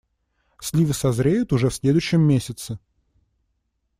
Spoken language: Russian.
Сливы созреют уже в следующем месяце.